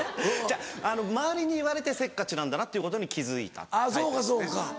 周りに言われてせっかちなんだなっていうことに気付いたタイプですね。